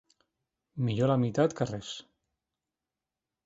Millor la meitat que res.